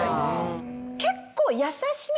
結構。